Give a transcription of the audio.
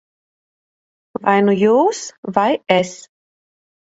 Vai nu jūs, vai es.